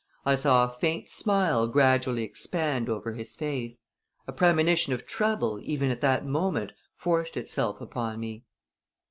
I saw a faint smile gradually expand over his face. A premonition of trouble, even at that moment, forced itself on me.